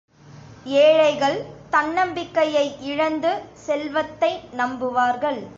ஏழைகள், தன்னம்பிக்கையை இழந்து செல்வத்தை நம்புவார்கள்.